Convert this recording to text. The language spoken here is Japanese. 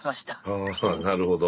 ああなるほど。